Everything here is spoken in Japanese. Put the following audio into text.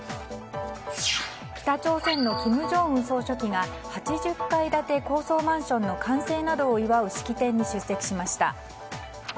北朝鮮の金正恩総書記が８０階建て高層マンションの完成などを祝う式典に出席しました。